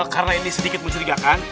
karena ini sedikit mencurigakan